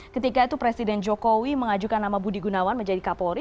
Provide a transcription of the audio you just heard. ketika itu presiden jokowi mengajukan nama budi gunawan menjadi kapolri